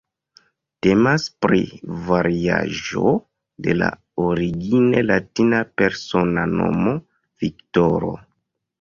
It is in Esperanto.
Temas pri variaĵo de la origine latina persona nomo "Viktoro".